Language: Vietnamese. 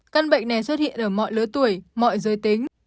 căn bệnh này xuất hiện ở mọi lứa tuổi mọi giới tính